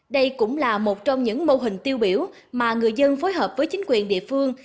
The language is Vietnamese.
đây cũng là một trong những mô hình tiêu biểu mà người dân phối hợp với chính quyền địa phương